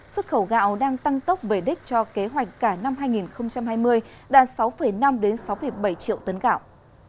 xuất khẩu gạo đang tăng tốc về đích cho kế hoạch cả năm hai nghìn hai mươi đạt sáu năm sáu bảy triệu tấn gạo